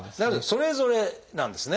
それぞれなんですね。